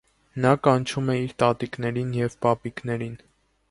Նա կանչում է իր տատիկներին և պապիկներին։